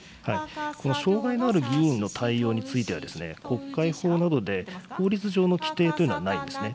この障害のある議員の対応については、国会法などで、法律上の規定というのはないんですね。